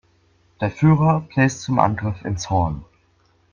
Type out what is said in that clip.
Der Führer bläst zum Angriff ins Horn.